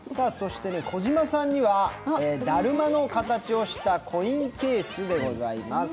児嶋さんには、だるまの形をしたコインケースでございます。